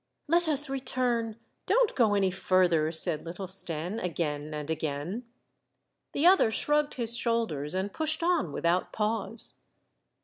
*• Let us return. Don't go any further," said little Stenne, again and again. The other shrugged his shoulders, and pushed on without pause.